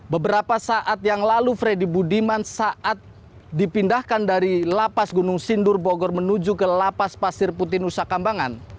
beberapa saat yang lalu freddy budiman saat dipindahkan dari lapas gunung sindur bogor menuju ke lapas pasir putih nusa kambangan